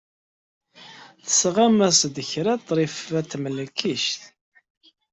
Tesɣam-as-d kra i Ḍrifa Tamlikect.